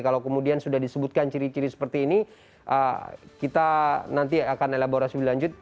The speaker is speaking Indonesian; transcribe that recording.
kalau kemudian sudah disebutkan ciri ciri seperti ini kita nanti akan elaborasi lebih lanjut